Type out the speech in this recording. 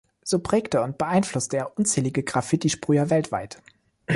So prägte und beeinflusste er unzählige Graffiti-Sprüher weltweit.